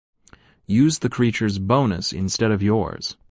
Use the creature’s bonus instead of yours.